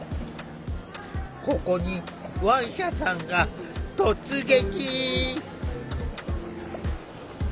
ここにワンシャさんが突撃！